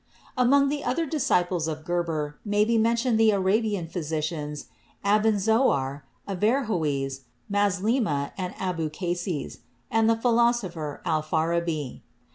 Among the other disciples of Geber may be mentioned the Arabian physicians Avenzoar, Averrhoes, Maslema and Abukases, and the philosopher Alfarabi.